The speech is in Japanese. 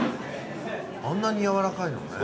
あんなに軟らかいのね。